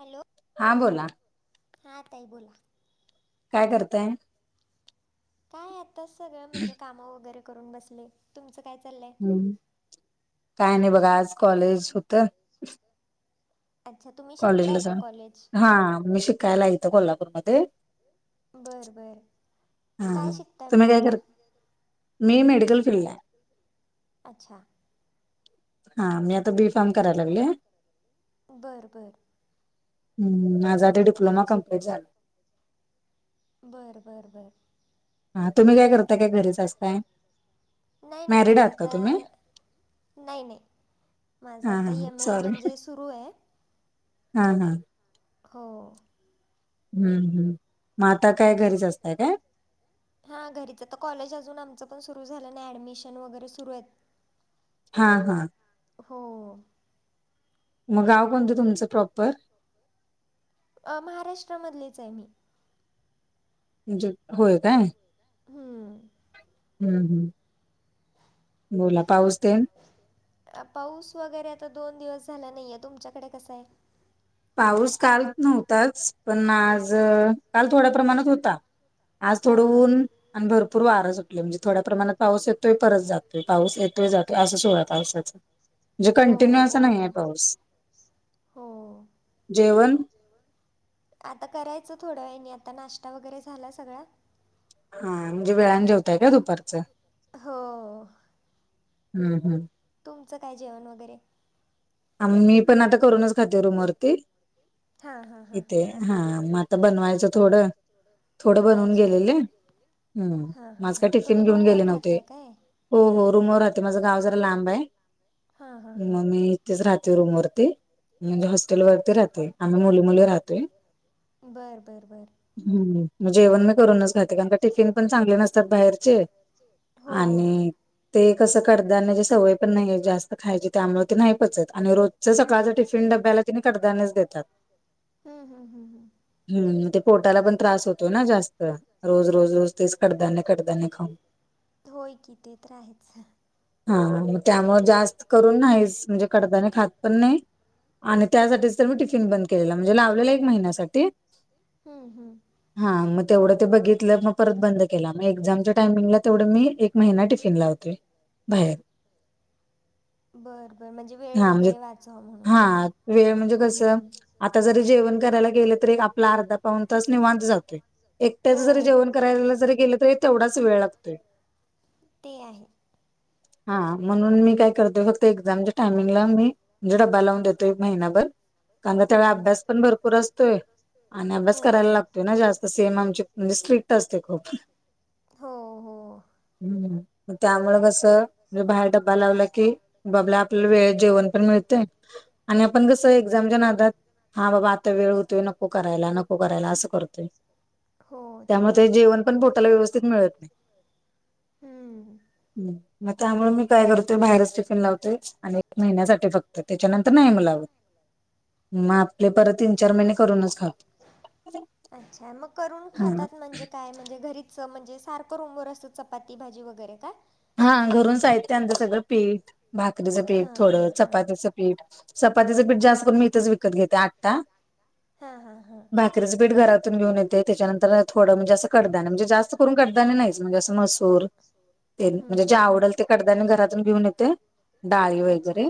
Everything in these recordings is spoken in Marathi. हॅलो! हां बोला? हा ताई बोला? काय करतायं? काय आता सगळं म्हणजे काम वगैरे करून बसले तुमचं काय चाललंय? काय नाही बघा आज कॉलेज होतं. अच्छा तुम्ही? कॉलेजला जाऊ हा मी शिकायला इथं कोल्हापूरमध्ये. बरं बरं काय शिकताय मग आता? मी मेडिकल फीला आहे. अच्छा, हा मी आता बी फार्म करायला लागले. बरं बरं. हम् माझा आता डिप्लोमा कंप्लीट झाला. बरं - बरं - बरं. हा तुम्ही काय करताय काय घरीचं असताय? नाही नाही माझं आता - नाही नाही माझा आता एम - ए म्हणजे सुरू हे. हा हा. हो. हम्म हम् मग आता काय घरीच असतयं काय? हा घरीच तर कॉलेज अजून आमचं पण सुरू झालं नाही ऍडमिशन वगैरे सुरू आहेत. हा हा. हो. मग गाव कोणतं तुमचं प्रॉपर? महाराष्ट्रा मधलेचं आहे मी. म्हणजे होय काय. हम्म, हम्म हम् बोला पाऊस तेन. पाऊस वगैरे आता दोन दिवस झाला नाहीये तुमच्याकडे कसा आहे? पाऊस काल नव्हताच, पण आज काल थोड्या प्रमाणात होता. आज थोडं ऊन आणि भरपूर वार सुटले म्हणजे थोड्या प्रमाणात पाऊस येतोय परत जातोय, पाऊस येतोय जातो. असंस होयां पावसाच, म्हणजे कंटिन्यू असा नाही आहे पाऊस. हो! जेवण? आता करायचं थोड्या वेळानी, आता नाष्टा वगैरे झाला सगळा. हा म्हणजे वेळान जेवताय का दुपारचं. हो! हूं हूं! तुमचं काय जेवण वगैरे? आ मी पण आता करूनच खाते रूमवरती इथे. हा म आता बनवायचं थोडं. थोडं बनवून गेलेले, हं म आज काय टिफिन घेऊन गेले नव्हते. हो हो रूमवर राहते माझं गाव जरा लांब आहे म मी. इतेच राहते रूमवरती. म्हणजे हॉस्टेलवरती राहतेय आम्ही मुली-मुली राहतोय. हूं म जेवन करूनच नेते कारण काय टिफिन पण चांगले नसतात बाहेरचे आणि ते कसं कडधान्याची सवय पण नाही, जास्त खायची त्यामुळे ते नाही पचत आणि रोज च सकाळच टिफिन डब्याला तिने कडधान्येच देतात हूं म ते पोटाला पण त्रास होतो ना जास्त रोज, रोज, रोज तेच कडधान्य कडधान्य खाऊनं. होय की ते तर आहेच. हा मग त्यामुळे जास्त करून नाहीच म्हणजे. कडदान्य खात पण नाही आणि त्यासाठीच तर मी टिफिन बंद केलेला म्हणजे लावलेला एक महिन्यासाठी. हा म तेवढं ते बघितलं म परत बंद केला, म एक्झामच्या टायमिंगला तेवढं मी एक महिना टिफिन लावते. भाहेर! बर बर म्हणजे. हा म्हणजे हा वेळ म्हणजे कसं. आता जरी जेवण करायला गेलं तरी, एक आपला अर्धा पाऊन तास निवांत जातोय. एकट्याच जरी जेवण करायला जरी गेलं तरी तेवढाच वेळ लागतोय. हा म्हणून मी काय करतोय फक्त एक्झामच्या टायमिंगला मी म्हणजे डबा लावून देतो एक महिनाभर. कारण त्यावेळी अभ्यास पण भरपूर असतोय, आणि अभ्यास करायला लाग तो ना जास्त सेम आमचे म्हणजे स्ट्रिक्ट असते खूप. हं म त्यामुळ कस [unintelligible] बाहेर टक लावला की बबल्या आप. आपलं वेळेत जेवण पण मिळतय, आणि आपण कसं एक्झामच्या नादात हा बाबा आता वेळ होतोय नको करायला, नको करायला असं कर तोय त्यामुळे ते जेवण पण पोटाला व्यवस्थित मिळत नाही. म त्यामुळे मी काय करतो बाहेरच टिफिन लावतोय आणि एक महिन्यासाठी फक्त त्याच्यानंतर नाही म लावत म आपले परत. तीन चार महिने करून खा. काय म्हणजे घरीच म्हणजे सारखं रूमवर असतं चपाती भाजी वगैरे काय हा घरून साहित्यंत आणतो सगळं पीठ भाकरीचं पीठ थोडं चपात्याच, पीठ चपातीचं पीठ जास्त करून मी इथेच विकत घेते आटा. हा हा हा. भाकरीच पीठ घरातून घेऊन येते त्याच्यानंतर, थोडं म्हणजे असं कडधान्य म्हणजे जास्त करून कडधान्य नाहीच म्हणजे असं मसूर, म्हणजे जे आवडल ते कडधान्य घरातून घेऊन येते डाळी वगैरे.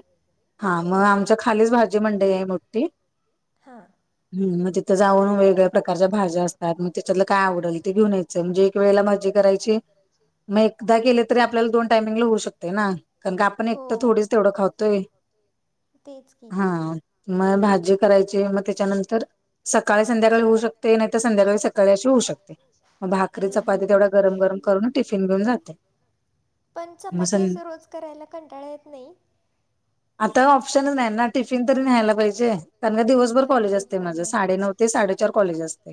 हा मग आमच्या खालीच भाजी मंडई आहे मोठी. हां हम् म्ह तिथ जाऊन वेगवेगळ्या प्रकारच्या भाज्या असतात, त्याच्यातल काय आवडल ते घेऊन यायचं म्हणजे एक वेळेला भाजी करायची, रायची केले तरी आपल्याला दोन टामिंग ला होऊ शकतय ना कारण की आपण एक तर थोडीच तेवढं खातोय. तेच की हा. मग भाजी करायची मग त्याच्यानंतर सकाळी संध्याकाळी होऊ शकते, नाही तर संध्याकाळी सकाळी अशी होऊ शकते. मग भाकरी चपाती तेवढ्या गरम गरम करून टिफिन घेऊन जाते. पण चपाती असं रोज करायला कंटाळा येत नाही? आता ऑप्शनच नाही ना टिफिन तरी न्यायला पाहिजे, कारण का दिवसभर कॉलेज असते माझं साडे नऊ ते, ते साडेचार कॉलेज असते.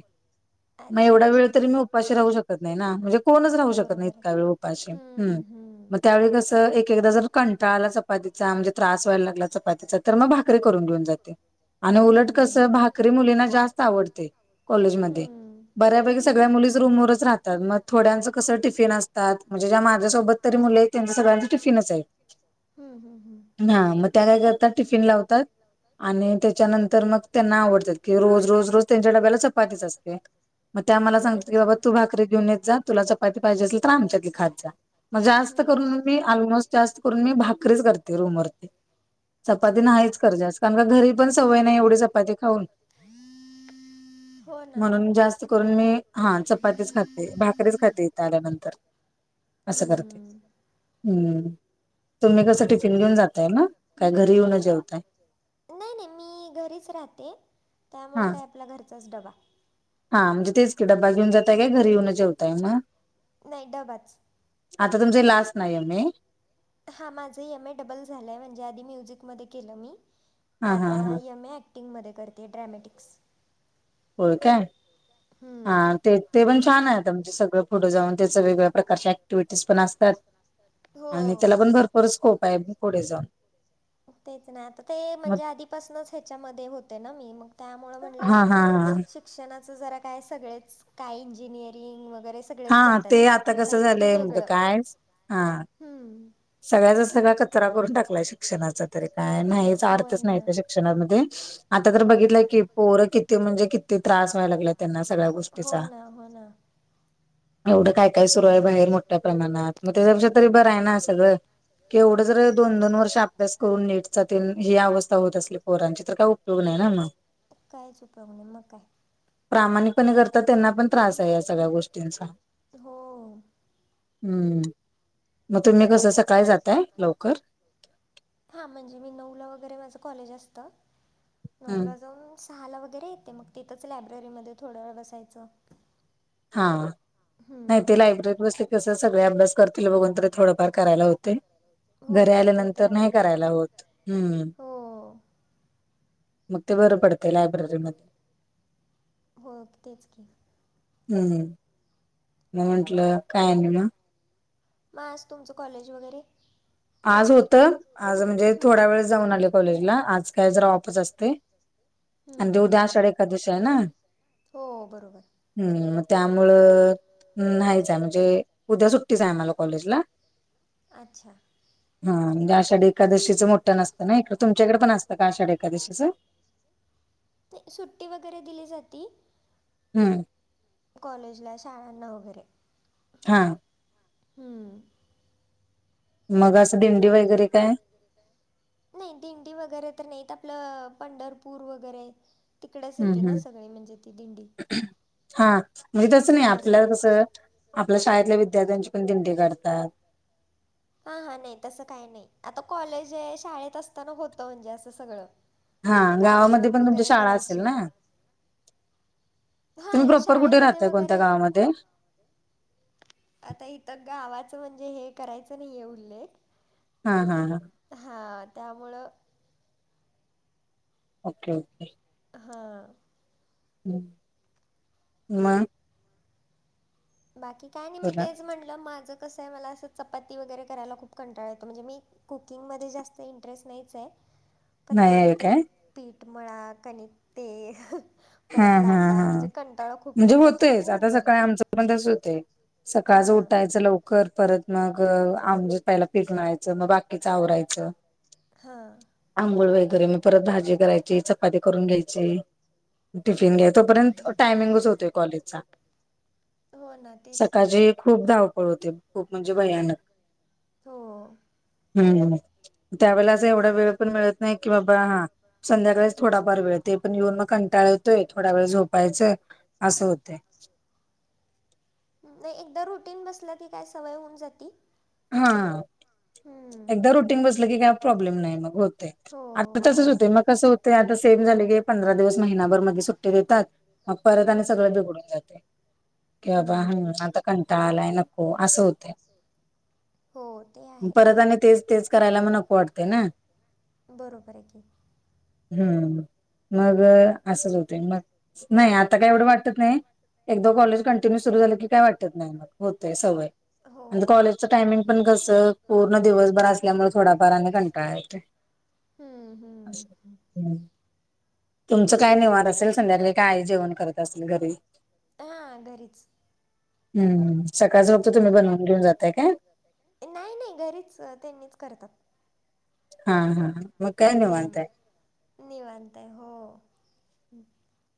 मग एवढा वेळ तरी मी उपाशी राहू शकत नाही. ना म्हणजे, कोणाच राहू शकत नाही इतका वेळ उपाशी. मग त्या म्हणजे कसं एक एकदा जर कंटाळ आला चपातीचा म्हणजे त्रास व्हायला लागला चपातीचा तर मग भा करी करून घेऊन जाते. आणि उलट कसं भाकरी मुलींना जास्त आवडते. कॉलेजमध्ये, बऱ्यापैकी सगळ्या मुलीच रूमवरच राहतात, मग थोड्यांचं कसं टिफिन असतात. म्हणजे ज्या माझ्यासोबत तरी मुली आहेत, त्यांच सगळ्यांच टिफिनच आहेत. हा मग त्या काय करतात टिफिन लावतात. आणि त्याच्यानंतर मग त्यांना आवडतात की रोज रोज रोज त्यांच्या डब्याला चपातीच असते. मग त्या आ मला सांगतात की बाबा तू भाकरी घऊनेत जा तुला चपाती पाहिजे असेल तर आमच्यातली खात जा. मग जास्त करून मी ऑलमोस्ट जास्त करून मी भाकरीच करते रूमवरती. चपाती नाहीच कर जास्त कारण का घरी पण सवय नाही एवढी चपाती खाऊन, म्हणून जास्त, करून मी हा चपातीच खाते भाकरीच खाते इथे आल्यानंतर. असं करते. हम्म तुम्ही कसं टिफिन घेऊन जातय ना काय घरी येऊन जेवताय. नाही नाही मी घरीच राहते, त्यामुळं काय आपला घरचाच डबा. हा म्हणजे तेच की डबा घेऊन जाताय काय घरी येऊनच जेवताय मग. आता तुमच हे लास्ट ना एम ए. हा माझं एम ए डबल झालंय म्हणजे आधी म्युझिक मध्ये केलं मी. आता एम ए अँक्टिंगमध्ये करते ड्रॅमॅटिक्स. होय काय. हा ते ते पण छान आहे आता सगळं पुढ जाऊन त्याच वेगवेग्या प्रकारच्या अँक्टिव्हटीज पण असतात, आणि त्याला पण भर पूर स्कोप आहे पुढे जाऊन. तेच नाही आता ते म्हणजे आधीपासूनच ह्याच्यामध्ये होते ना मी मग त्यामुळं म्हटलं शिक्षणाचं जरा काय सगळेच काय इंजिनिअरिंग वगैरे, रेच करतात काहीतरी वेगळ हम्म! ! सगळ्याचा सगळा कचरा करून टाकलाय श शिक्षणाचा तरी काय नाहीच अर्थच नाही? शिक्षणामध्ये. आता तर बघितलं की, पोरं किती म्हणजे किती त्रास व्हायला लागलाय, त्यांना सगळ्या गोष्टीचा एवढं काय काय सुरू आहे. बाहेर मोठ्या प्रमाणात, ग त्याच्यापेक्षा तरी बर आहे ना? सगळं. केवढं! जर दोन दोन वर्ष अभ्यास करून नीट च तेन ही अवस्था होत असली पोरांची, तर काय उपयोग नाही ना मग कायच उ-म न काय? प्रामाणिकपणे करतात. त्यांना पण त्रास आहे, या सगळ्या गोष्टींचा हो! ! हम्म्! ! तुम्ही कसं-? [inaudible] [unintelligible] हां म्हणजे मी नऊला वगैरे माझं कॉलेज असतं. नऊला जाऊन सहाला वगैरे येते मग. तिथंच लायब्ररीमध्ये थोडं वेळ बसायचं हां! ! नाही ते लायब्ररीत बसल की, कस सगळे अभ्यास करतेल बघून तरी थोडफार करायला होतय. घरी आल्यानंतर नाही, करायला होत. हम्म्! मग ते बरं पडतय लायब्ररीमध्ये! हो. तेच की? हम्म्! ! मग म्हंटलं, काय आणि मग. म आज तुमचं कॉलेज वगैरे! ! आज होतं, आज म्हणजे थोड्या वेळ जाऊन आले कॉलेजला, आज काय जरा ऑफच असतय. आणि ते उद्या आषाढी एखकादसी आहे ना? हो! बरोबर! ! हम्म्! म! त्यामुळ नाहीयच आहे म्हणजे उद्या सुट्टीच आहे आम्हाला कॉलेजला अच्छा! ! हा! म्हणजे आषाढी एकादशीचं मोठ्यान असतं ना? इकड. तुमच्याकड पण असतं का आषाढी एकादशीचं? सुट्टी वगैरे दिली जाती हम्म्! ! कॉलेजला शाळांना वगैरे! ! हां! ! मग असं दिंडी त! - -स दिंडी वैगेरे काय? नाही दिंडी वगैरे तर नाहीत, आपलं पंढरपूर वगैरे तिकडच येती ना? सगळी म्हणजे ती दिंडी! हा. म्हणजे तसं नाही, आपल्या कसं आपल्या, शाळेतल्या विद्यार्थ्यांची पण दिंडी काढतात. हा हा नाही. तसं काही नाही. आता कॉलेज शाळेत असताना होतं म्हणजे असं सगळं कार्यक्रम वगैरे करायचे! हाय! शाळेमध्ये वगैरे! आता इथ गावाचं! म्हणजे हे! करायचं नाहीये उल्लेख. हा! हा! हा! ! हा त्यामुळं! ! Okay okay! ! हां. [unintelligible] बाकी काय नाही मी तेच म्हटलं माझं कसं आहे मला असं चपाती वगैरे करायला खूप कंटाळा येतो. म्हणजे मी कुकिंगमध्ये जास्त इंटरेस्ट नाहीचये. पण तरी ते पीठमळा कणिक ते. परत लाटा म्हणजे कंटाळा खूप येऊन जातो म्हणून म्हटलं. बदच होतेय सकाळचं उठायचं. लव कर परत मग आगधुतायला पीट मळायचं मग बाकीचं आवरायचं. हां. आंघोळ वगैरे मी परत भाजी करायची चपाती करून घ्यायची. टिफिन घ्या तोपर्यंत टायमिंगच होतोय कॉलेजचा सकाळची खूप धावपळ होते खूप म्हणजे भयानक. हो. हम्म, त्यावेळेला अस एवढा वेळ पण मिळत नाही कि बाबा हां संध्याकाळीच थोडाफार वेळ ते पण येऊन मग कंटाळा योतोय थोडा वेळ झोपायचं असं होतय नाही एकदा उठुन बसला की काय सवय होऊन जाती. हा. एकदा रुटींग बसलं की काय प्रॉब्लेम नाही मग होतय आता तसच होतय मग कस. ते आता सेम झाले की पंधरा दिवस महिनाभर मध्ये सुट्टी देतात मग परत आणि सगळं बिघडून जाते. कि बाबा हा आता कंटाळालाय नको असं हो. परत आणि तेच तेच करायला म नको वाटतेय ना. हम्म मग असच होतय मग. नाही आता काय एवढं वाटत नाही एकदा कॉलेज कंटिन्यू सुरू झाले की काय वाटत नाही. होतंय सवय. हो. हो पण कस पूर्ण दिवसभर असल्यामुळे थोडाफार आणि कंटाळा येतो हम्म हम्. तुमचं काय निवांत असेल संध्याकाळी काय आई जेवण करत असेल घरी. हां घरी. हम्म. ते आहे नाही नाही घरीच त्यांनीच करतात हा हा. हम्म निवांतय हो.